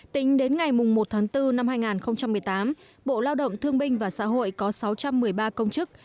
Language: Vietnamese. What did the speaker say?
tính đến ngày một tháng bốn năm hai nghìn một mươi tám bộ lao động thương binh và xã hội có sáu trăm một mươi ba công chức